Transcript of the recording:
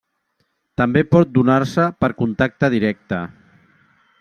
També pot donar-se per contacte directe.